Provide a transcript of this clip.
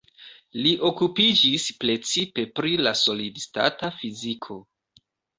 Li okupiĝis precipe pri la solid-stata fiziko.